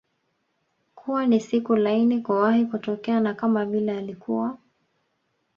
kuwa ni siku laini kuwahi kutokea na kama vile alikuwa